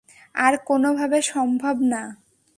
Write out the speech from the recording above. আর কোনোভাবে সম্ভব না!